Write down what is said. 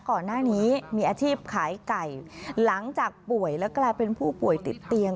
ก่อนหน้านี้มีอาชีพขายไก่หลังจากป่วยแล้วกลายเป็นผู้ป่วยติดเตียง